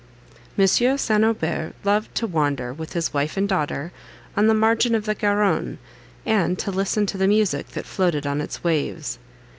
M. St. Aubert loved to wander, with his wife and daughter, on the margin of the Garonne, and to listen to the music that floated on its waves.